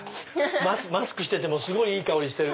マスクしててもすごいいい香りしてる。